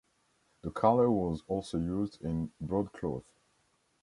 The color was also used in broadcloth.